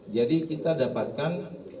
jadi kita dapatkan